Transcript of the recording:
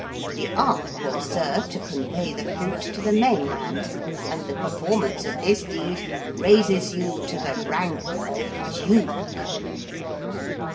The ark will serve to convey the fruit to the mainland, and the performance of this deed raises you to the rank of Duke.'